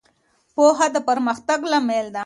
پوهه د پرمختګ لامل ده.